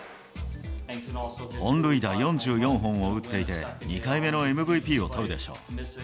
本塁打４４本を打っていて、２回目のＭＶＰをとるでしょう。